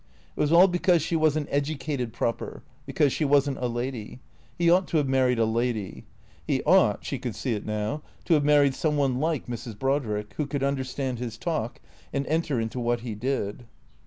It was all because she was n't educated proper, because she was n't a lady. He ought to have married a lady. He ought (she could see it now) to have married some one like Mrs. Brodrick, who could understand his talk, and enter into what he did.